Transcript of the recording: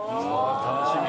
楽しみ。